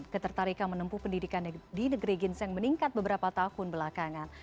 ketertarikan menempuh pendidikan di negeri ginseng meningkat beberapa tahun belakangan